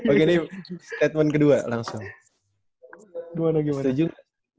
oke ini statement kedua langsung